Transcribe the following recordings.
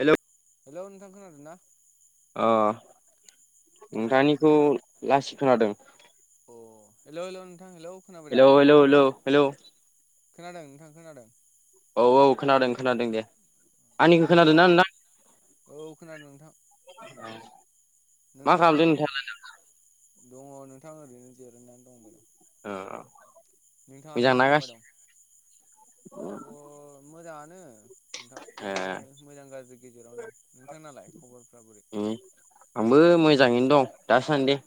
हेल' hello नोंथां खोनादों ना अ नोंथांनिखौ अ लासि खोनादों अ हेल' हेल' नोंथां हेलौ खोनाबाय हेल दा हेल' हेल' हेल' खोनादों नोंथां खोनादों औ औ खोनादों खोनादों दे आंनिखौ खोनादोंना नोंथां औ खोनादों नोंथां मा नोंथां खालामदो नोंथाङालाय दा दङ नोंथां ओरैनो जिरायनानै दंबायद' अ नोंथाङालाय मा खालामबाय दं खबर मोजाङानो नोंथां ए बिदिनो मोजां गाज्रि गेजेरावनो दं नोंथांनाालाय खबरफ्रा बोरै उम आंबो मोजाङैनो दं दासान्दि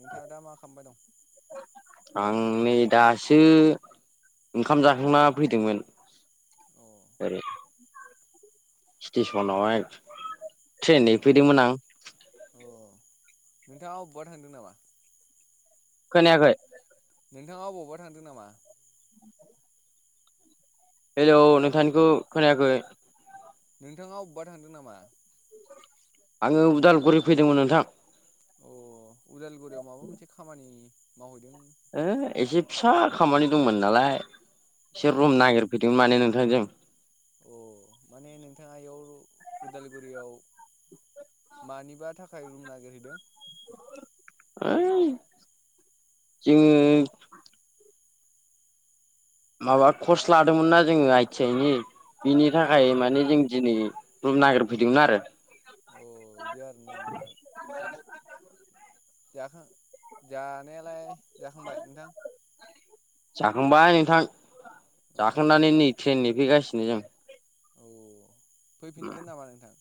नोंथाङा दा मा खालामबाय दं आं नै दासो ओंखाम जाखांना फैदोंमोन [unintelligible] ओै स्टेसनावहाय ट्रेननै अ फैदोंमोन आं अ नोंथाङा अबेबा थांदों नामा खोनाखै नोंथाङा अबावबा थांदों नामा हेलौ नोंथांनिखौ खोनायाखै नोंथाङा अबावबा थांदों नामा आङो उदालगुरि फैदोंमोन नोंथां अ उदालगुरियाव माबा मोनसे खामानि मावहैदों हो एसे फिसा खामानि दंमोन नालाय अ एसोर रुम नागिरफैदोंमोन माने नोंथांजों अ माने नोंथाङा इयाव उदालगुरियाव मानिबा थाखाय रुम नागिरहैदों ओइ जोङो माबा कर्स लादोंमोन नना जोङो आइ टि आइ नि बिनि औ थाखाय नोंथां माने जों दिनै रुम नागिरफैदोंमोन आरो अ इदि आरोना नोंथां [unintelligible] जाखां जानायालाय जाखांबाय नोंथां जाखांबाय नोंथां अ जाखांनानै नै ट्रेन नेफैगासिनो जों औ औ फैफिनगोन नामा नोंथां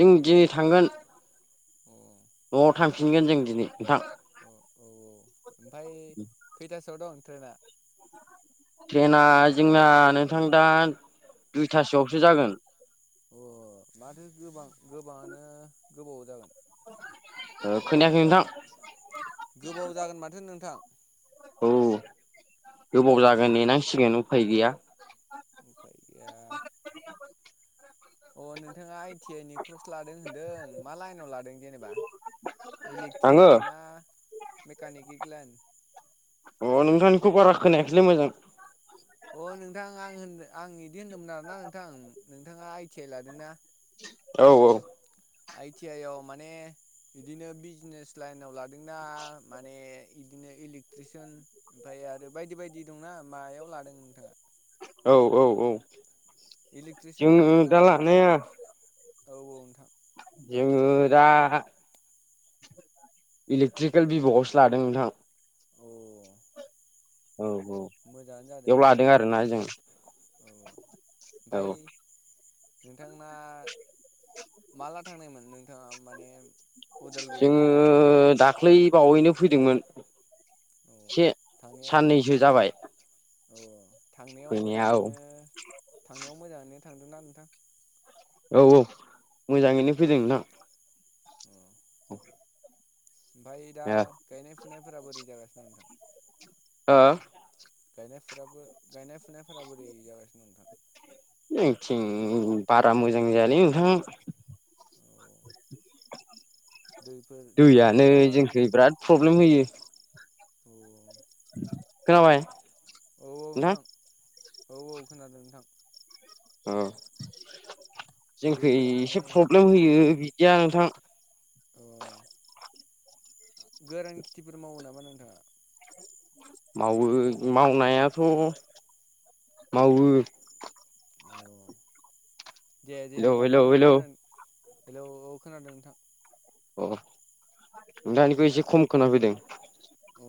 जों दिनै थांगोन अ न'आव थांफिनगोन जों दिनै नोंथां औ औ औ ओमफाय खैथासोआव दं ट्रेना ट्रेनाआ जोंना नोंथां दा दुइथासोआवसो जागोन अ माथो गोबां गोबाङानो गोबाव जागोन ओ खोनायाखै नोंथां गोबाव जागोन माथो नोंथां। औ गोबाव अ जागोन नेनांसिगोन उफाय गैया। उफाय गैया अ नोंथाङा आइ टि आइ नि क्रस लादों होनदों मा लाइनाव लादों जेनेबा इलेक्ट्रिक आङो लाइन ना मेकानिकक लाइन अ नोंथांनिखौ बारा खोनायाखैलै मोजां अ नोंथां आं होनदों आं बिदि होन्दोंमोन आरोना नोंथां नोंथाङा आइ टि आइ लादोंना औ औ आइ टि आइ आव माने बिदिनो बिजनेस लाइनाव लादोंना माने इदिनो इलेक्ट्रिसियन ओमफ्राय आरो बायदि बायदि दंना मायाव लादों नोंथाङा औ औ औ इलेक्ट्रिसियान जोङो लादोंना दा लानाया औ औ नोंथां जोङो दा इलेक्ट्रिकेल भिभ'आवसो लादों नोंथां अ औ औ मोजाङानो जादों बेयाव दे लादों नोंथां आरोना जों औ ओमफाय औ नोंथां माला थांनायमोन नोंथाङा माने उदालगुरियाव जोङो माला थांनायमोन दाख्लै बावैनो फैदोंमोन अ एसे साननैसो जाबाय औ थांनायाव फैनाया औ मोजाङैनो थांनायाव मोजाङैनो थांदों ना नोंथां औ औ मोजाङैनो फैदों ना औ औ ओमफाय दा गायनाय फुनायफोरा बोरै जागासिनो नोंथां। ओ गायनायफोराबो गायनाय फुनायफोरा बोरै जागासिनो दं नोंथां। जोंथिं बारा मोजां जायालै नोंथां [inaudible] दैफोर दैयानो दैफोरालाय माबायदि जोंखै बिराद प्रब्लेम होयो अ खोनाबाय औ औ नोंथां औ औ खोनादों नोंथां। ओ जोंखै दैफोरा माने एसे प्रब्लेम दै होयो बिदिया नोंथां अ गोरान खेथिफोर मावो नामा नोंथाङा मावो मावनायाथ मावो अ दे हेलौ जेनेबा मा हेलौ मा हेलौ गोरान हेलौ खोनादों नोंथां अ दानिखौ एसे खम खोनाफैदों अ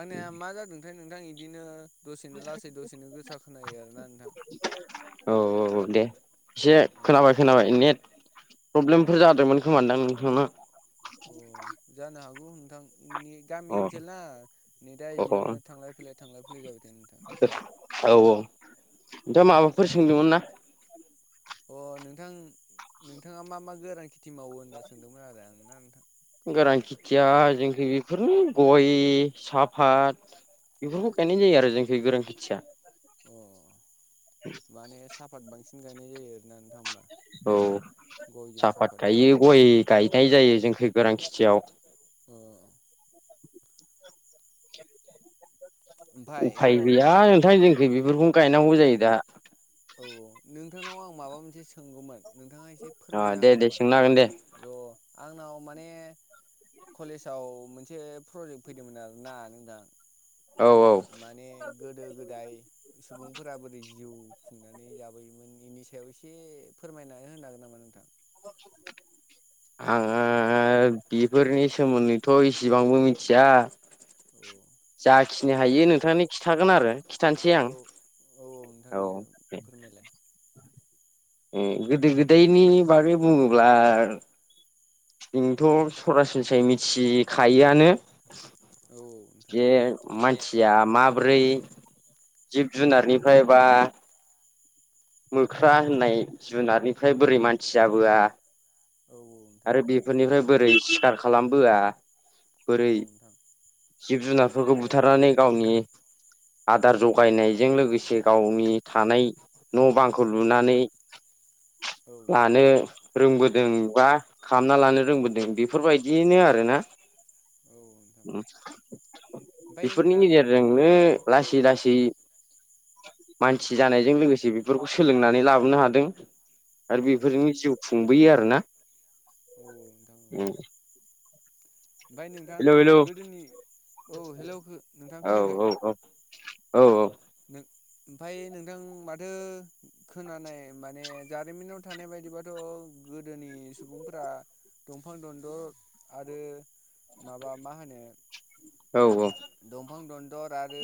आंनिया मा जादोंथाय नोंथां इदिनो दसेनो लासै दसेनो गोसा खोनायो आरोना नोंथां। औ औ दे एसे खोनाबाय खोनाबाय नेट प्रब्लेमफोर जादोंमोन खोमादां नोंथांना अ जानो हागौ नोंथांनि गामि अ ओनसोलना नेदा अ बिदिनो औ थांलाय फैलाय थांलाय फैलाय जाबायथायो नोंथां औ औ नोंथाङा माबाफोर सोंदोंमोन ना। अ नोंथां नोंथाङा मा मा गोरान खेथि मावो होनना सोंदोंमोन आरो आं ना नोंथां। गोरान खेथिया जोंखै बेफोरनो गय साफाथ बेफोरखौ गायनाय जायो आरो जोंखै गोरां खेथिया अ माने साहफात बांसिन गायनाय जायो आरोना नोंथां होमबा औ गयजों साहपात साफातजों गायो गय गायनाय जायो जोंख गोरान खेथियाव अ ओमफाय उफाय र' गैया नोंथां जोंखो बेफोरखौनो गायनांगौ जायो दा औ नोंथांनाव आं माबा मोनसे सोंगौमोन नोंथाङा एसे अ फोरमायनो दे हागोन दे नामा सोंनो हागोन दे र आंनाव माने कलेजाव मोनसे प्रजेक्ट फैदोंमोन आरोना नोंथां औ औ माने गोदो गोदाय सुबुंफोरा बोरै जिउ खुंनानै जाबोयोमोन बेनि सायाव एसे फोरमायना होनो हागोन नामा नोंथां [inaudible] आङो बेफोरनि सोमोन्दैथ इसिबांबो मिथिया औ जाखिनि माने हायो नोंथांनि खिन्थागोन आरो खिथानोसै आं औ औ औ नोंथां औ दे फोरमायलाय ए गोदो गोदायनि बागै बुङोब्ला जोंथ सरासनस्रायै मिथिखायोआनो औ नोंथां बे मानसिया माब्रै जिब जुनारनिफ्राय बा मोख्रा होननाय जुनारनिफ्राय बोरै मानसि जाबोआ औ नोंथां आरो बे फोरनिफ्राय बोरै सिखार खालामबोआ औ बोरै औ नोंथां जिब जुनारफोरखौ बुथारनानै गावनि आदार जगायनायजों लोगोसे गावनि थानाय न बांखौ लुनानै औ लानो रोंबोदों बा खालामना लानो रोंबोदों बेफोरबायदिनो आरोना नोंथां ओमफ्राय बेफोरनि नोंथां गेजेरजों नो लासै लासै मानसि जानायजों लोगोसे बे बेफोरखौ सोलोंनानै लाबोनो हादों आरो औ औ बेफोरनि जिउ खुंबोयो आरोना औ नोंथां औ ओमफ्राय नोंथां हेलौ हेलौ गोदोनि औ हेल' नोंथां औ खोनायाखै औ औ औ औ नों ओमफफ्राय नोंथां माथो खोनानाय माने जारिमिनाव थानाय बायदिबाथ' गोदोनि सुबुंफोरा दंफां दनदर आरो माबा मा होनो औ औ दंफां दनदर आरो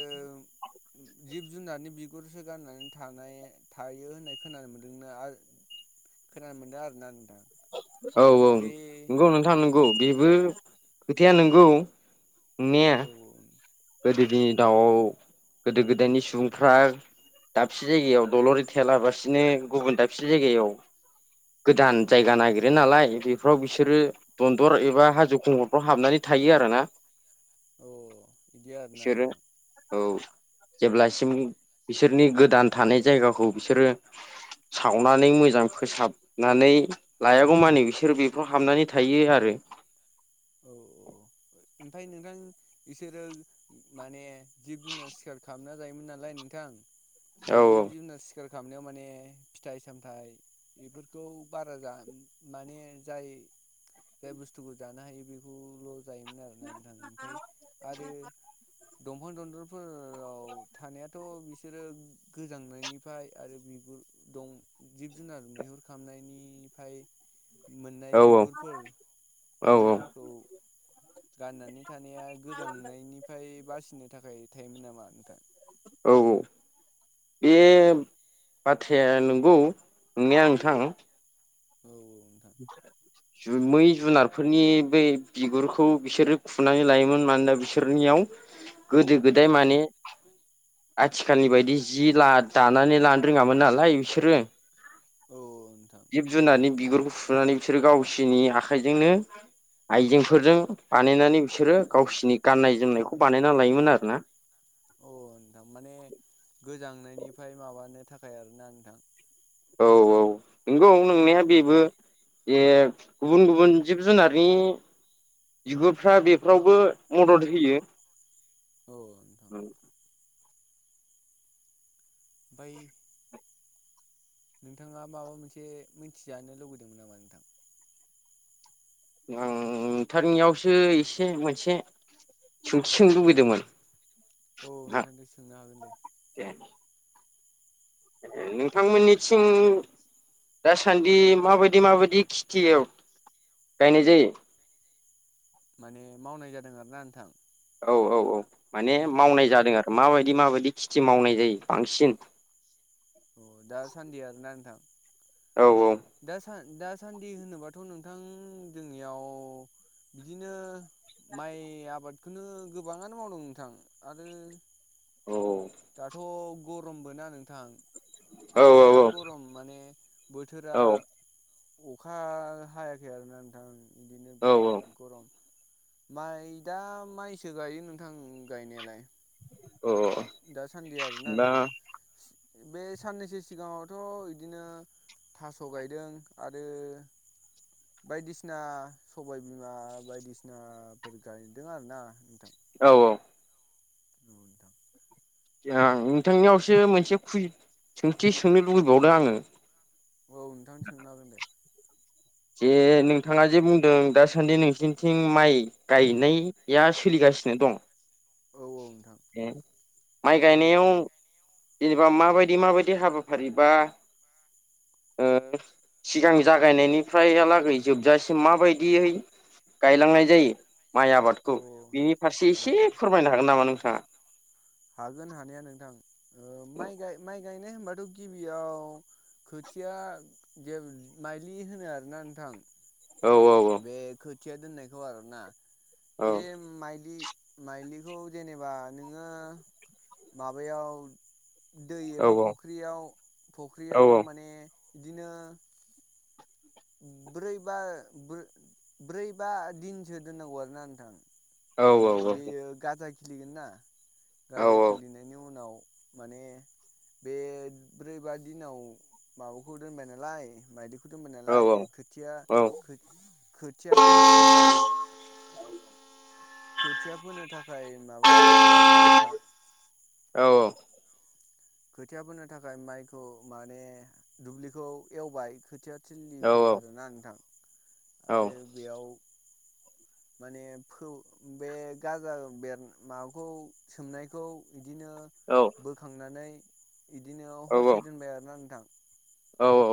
जिब जुनारनि बिगुरसो गाननानै थानाय थायो होननाय खोनानो मोनदोंना खोनानो मोनदों आरोना नोंथां औ औ बे नंगौ नोंथां नंगौ बेबो खोथाया नंगौ औ औ गोदो दिनि नोंथां दाउआव गोदो गोदायनि सुबुंफ्रा दाबसे जायगायाव दलरि थायालाबसिनो गुबुन दाबसे जायगायाव औ गोदान जायगा औ नागिरो नालाय बे फाव बिसोरो दनदर एबा हाजो खुंगलफ्राव हाबनानै थायो आरो ना औ बिदि आरोना इसोरो नोंथां औ जेब्लासिम बिसोरनि गोदान थानाय जायगाखौ बिसोरो सावनानै मोजां फोसाब नानै लायागौ मानि बिसोरो बेफोराव हाबनानै थायो आरो औ औ ओमफ्राय नोंथां बिसोरो माने जिब जुनार सिखार खालामना जायोमोन नालाय नोंथां बे औ जिब जुनार सि सिकार खालामामनायाव माने फिथाइ सामथाइ बेफोरखौ बारा माने जाय जाय बुस्थुखौ जानो हायो बेखौल' जायोमोन आरो थाङो ओमफ्राय आरो दंफां दन्दलफोराव थानायाथ' बिसोरो गोजांनायनिफ्राय आरो बिगुर दं जिब जुनार मैहुर खामनायनिफ्राय मोननाय औ बिगुरफोर औ बिगुरफोरखौ गाननानै थानाया गोजांनायनिफ्राय बासिनो थाखाय थायोमोन नामा नोंथां औ औ बे बाथ्राया नंगौ नंनाया नोंथां औ औ नोंथां मै जुनारफोरनि ब बिगुरखौ बिसोरो खुनानै लायोमोन मानोना बिसोरनियाव [inaudible] गोदो औ गोदाय माने आथिखालनि बायदि जि दानानै लानो रोङामोन नालाय बिसोरो औ नोंथां जिब जुनारनि बिगुरखौ फुनानै बिसोरो गावसिनि आखाइजोंनो आइजेंफोरजों बानायनानै बिसोरो गावसिनि गाननाय जोमनायखौ बानायना लायोमोन आरो ना अ नोंथां माने गोजांनायनिफ्राय माबानो थाखाय आरोना नोंथां। औ औ नंगौ औ नोंनाया बेबो जे गुबुन गुबुन जिब जुनारनि बिगुरफ्रा बेफोरावबो मदद होयो औ ओमफ्राय नोंथाङा माबा मोनसे मिथिजानो लुबैदोंमोन नामा नोंथां आं नोंथारनियावसो एसे मोनसे सोंथि सोंनो लुबैदोंमोन औ नोंथांखौ सोंनो हागोन दे। द ए नोंथांमोननिथिं दासान्दि माबायदि माबायदि खेथियाव गायनाय जायो? माने मावनाय जादों आर ना नोंथां। औ औ औ माने खेथिखौ मावनाय जादों आरो माबायदि माबायदि खेथि मावनाय जायो बांसिन। अ दा सान्दि आरोना नोंथां। औ औ दा दासान्दि होनोबाथ' नोंथां जोंनियाव बिदिनो, माइ आबादखौनो गोबाङानो मावदों नोंथां आरो औ दाथ' गरमबो ना नोंथां औ बिराद औ गरम माने बोथोरा अखा हायाखै आरोना नोंथां बिदिनो औ बिराद गरम माइ दा माइसो गायो नोंथां गायनायालाय अ। दासान्दि आरोना नोंथां बे साननैसो सिगाङावथ' बिदिनो, थास' गायदों आरो बायदिसिना सबायबिमा बायदिसिनाफोर गायदों आरोना नोंथां। औ औ औ नोंथांनियावसो मोनसे खु सोंथि सोंनो लुबैबावदों आङो। औ नोंथां सोंनो हागोन दे। जे नोंथाङा जे बुंदों दासान्दि नोंसिनिथिं माइ, गायनाया सोलिगासिनो दं, औ औ नोंथां माइ गायनायाव सोलिगासिनो दं जेनेबा माबायदि माबायदि हाबाफारि बा सिगां जागायनायनिफ्रायलागै जोबजासिम माबायदियै गायलांनाय जायो माइ अ आबादखौ बिनि फारसे अ एसे फोरमायनो हागोन नामा नोंथाङा हागोन हानाया नोंथां माइाय माइ गायनाय होनबाथ' गिबियाव खोथिया जे माइलि होनो आरोना नोंथां औ औ औ बे खोथिया दोननायखौ आरोना औ बेे माइलि माइलिखौ जेनेबा नोङो माबायाव दै औ एबा फख्रियाव औ फख्रियाव माने बिदिनो ब्रै बा ब्रै बा दिनसो दोननांगौ आरोना नोंथां औ माने बेयो गाजा खिलिगोन ना औ गाजा औ खिलिनायनि उनाव माने बे ब्रै बा दिनाव माबाखौ दोनबाय नालाय माइदिखौ दोनबाय नाल औ हाय खोथिया औ खोथिया फोनो थाखाय खोथिया फोनो थाखाय माबा नांगौ आरोना नोंथां औ औ खोथिया फोनो थाखाय माइखौ माने दुब्लिखौ एवबाय खोथिया थिललिखौ आरोना नोंथां आरो बेयाव माने बे गाजा बेर माबाखौ सोमनायखौ बिदिनो औ बोखांनानै बिदिनो हरसे दोनबाय आरोना नोंथां औ औ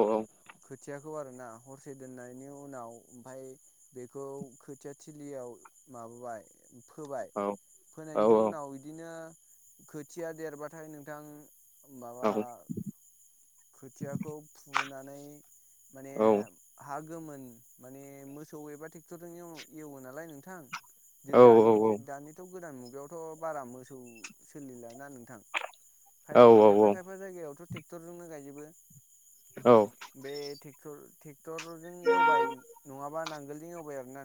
खोथियाखौ आर ना हरसे दोननायनि उनाव ओमफाय बेखौ खोथियाथिलियाव माबाबोबाय फोबाय फोनायनि उनाव बिदिनो खोथिया देरबाथाय नोंथां माबा खोथियाखौ फुनानै माने हा गोमोन माने मोसौ एबा ट्रेक्टरजों एवो नालाय नोंथां द दानिथ' गोदान मुगायावथ' बारा मोसौ सोलिलाना नोंथां औ खायफा खायफा जायगायावथ' ट्रेक्टरजोंनो गायजोबो औ बे ट्रेक्टरजों एवबाय नङाबा नांगोलजों एवबाय आरोना